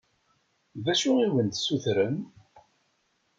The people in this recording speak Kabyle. D acu i awen-d-ssutren?